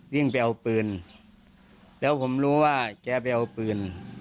วิ่งไปเอาปืนแล้วผมรู้ว่าแกไปเอาปืน